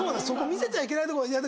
そこ見せちゃいけないところ。